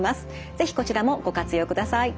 是非こちらもご活用ください。